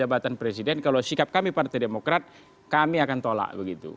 jabatan presiden kalau sikap kami partai demokrat kami akan tolak begitu